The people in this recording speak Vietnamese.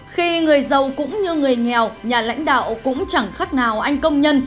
khi người giàu cũng như người nghèo nhà lãnh đạo cũng chẳng khác nào anh công nhân